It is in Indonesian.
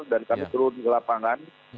dan kami turun ke lapangan